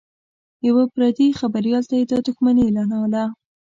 یوه پردي خبریال ته یې دا دښمني اعلانوله